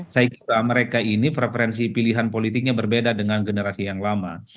saya kira mereka ini preferensi pilihan politiknya berbeda dengan generasi yang lama